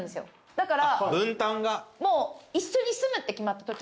だから。